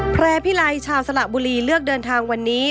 แพร่พิไลชาวสละบุรีเลือกเดินทางวันนี้